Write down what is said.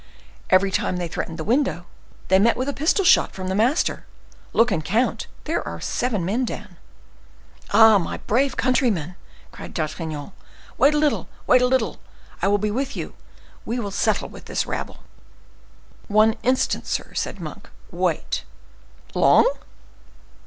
Every time they threatened the window, they met with a pistol shot from the master. Look and count—there are seven men down." "Ah! my brave countryman," cried D'Artagnan, "wait a little, wait a little. I will be with you; and we will settle with this rabble." "One instant, sir," said Monk, "wait." "Long?"